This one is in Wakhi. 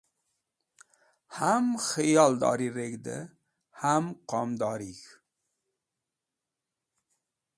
Ham khiyodori reg̃hdẽ ham qomdorig̃h